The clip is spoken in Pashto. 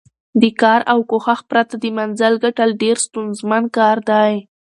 د کار او کوښښ پرته د منزل ګټل ډېر ستونزمن کار دی.